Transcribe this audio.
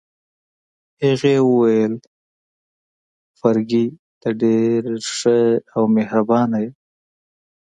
هغې وویل: فرګي، ته ډېره ښه او مهربانه يې.